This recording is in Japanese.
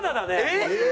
えっ？